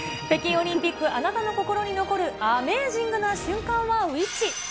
北京オリンピックあなたの心に残るアメージングな瞬間はウイッチ。